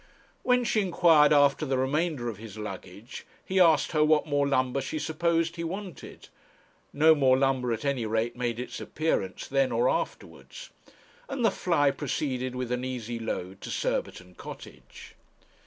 When she inquired after the remainder of his luggage, he asked her what more lumber she supposed he wanted. No more lumber at any rate made its appearance, then or afterwards; and the fly proceeded with an easy load to Surbiton Cottage.